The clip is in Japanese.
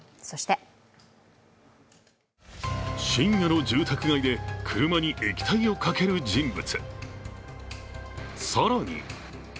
深夜の住宅街で車に液体をかける人物。